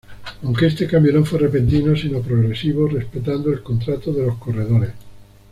Aunque este cambio no fue repentino sino progresivo, respetando el contrato de los corredores.